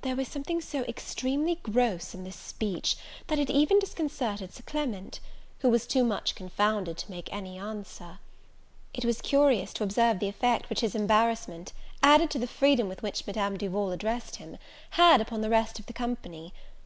There was something so extremely gross in this speech, that it even disconcerted Sir Clement, who was too much confounded to make any answer. It was curious to observe the effect which his embarrassment, added to the freedom with which Madame Duval addressed him, had upon the rest of the company.